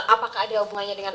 apakah ada hubungannya dengan